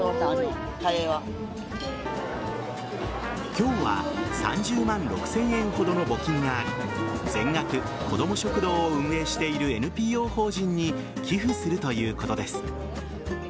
今日は３０万６０００円ほどの募金があり全額、こども食堂を運営しているＮＰＯ法人に寄付するということです。